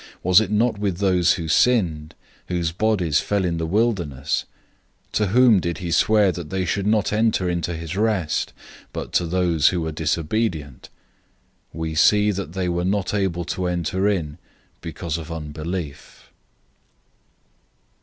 Wasn't it with those who sinned, whose bodies fell in the wilderness? 003:018 To whom did he swear that they wouldn't enter into his rest, but to those who were disobedient? 003:019 We see that they were not able to enter in because of unbelief.